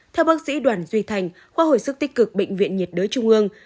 theo bác sĩ đoàn duy thành khoa hồi sức tích cực bệnh viện nhiệt đới trung ương